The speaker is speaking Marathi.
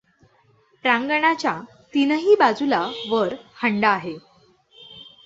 प्रांगणाच्या तीनही बाजूला वर् हांडा आहे.